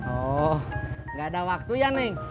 oh enggak ada waktu ya neng